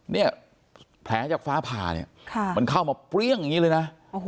เนี่ยแผลจากฟ้าผ่าเนี่ยมันเข้ามาเปรี้ยงอย่างนี้เลยนะ